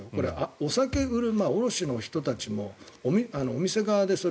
お酒卸の人たちもお店側で。